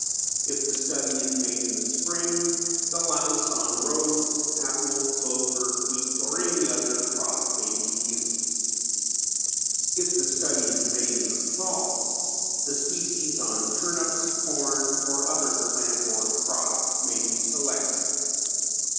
If the study is made in the spring the louse on rose, apple, clover, wheat or any other crop may be used. If the study is made in the fall the species on turnips, corn or other plant or crop may be selected.